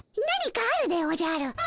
何かあるでおじゃる。